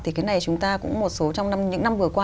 thì cái này chúng ta cũng một số trong những năm vừa qua